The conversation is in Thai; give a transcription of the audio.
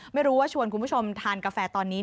ไม่รู้ว่าชวนคุณผู้ชมทานกาแฟตอนนี้